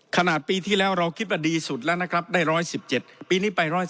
ขนาดปีที่แล้วเราคิดว่าดีสุดแล้วนะครับได้๑๑๗ปีนี้ไป๑๗